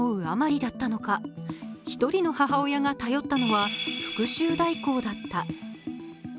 あまりだったのか１人の母親が頼ったのは復しゅう代行だった。